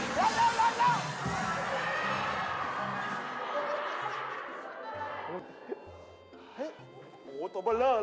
ปลอดภัณฑ์